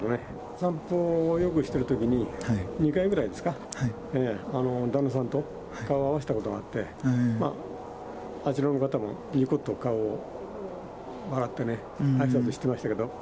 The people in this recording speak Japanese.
散歩をよくしてるときに、２回ぐらいですか、旦那さんと顔を合わせたことがあって、あちらの方も、にこっと顔を、笑ってね、あいさつしてましたけれども。